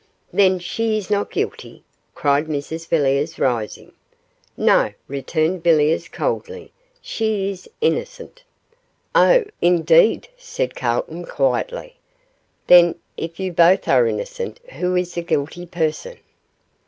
'Then she is not guilty?' cried Mrs Villiers, rising. 'No,' returned Villiers, coldly, 'she is innocent.' 'Oh, indeed,' said Calton, quietly; 'then if you both are innocent, who is the guilty person?